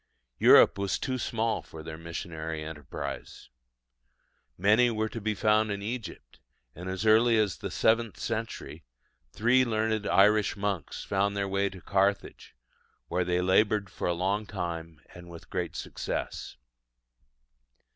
Europe was too small for their missionary enterprise. Many were to be found in Egypt; and as early as the seventh century, three learned Irish monks found their way to Carthage, where they laboured for a long time and with great success.